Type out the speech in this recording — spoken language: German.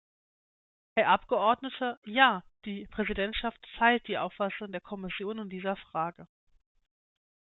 Herr Abgeordneter, ja, die Präsidentschaft teilt die Auffassung der Kommission in dieser Frage.